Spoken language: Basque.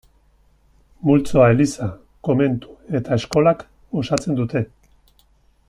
Multzoa Eliza, Komentu eta Eskolak osatzen dute.